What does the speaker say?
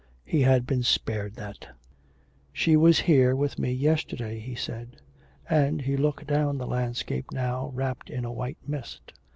He had been spared that! 'She was here with me yesterday,' he said. And he looked down the landscape now wrapped in a white mist.